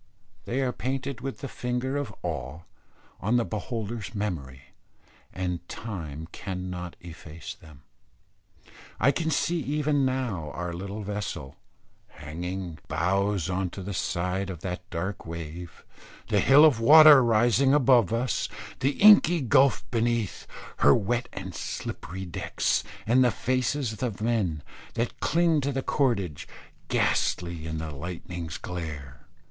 They are painted with the finger of awe on the beholder's memory, and time cannot efface them. I can see even now our little vessel, hanging bows on to the side of that dark wave, the hill of water rising above us, the inky gulph beneath, her wet and slippery decks, and the faces of the men that cling to the cordage, ghastly in the lightning's glare.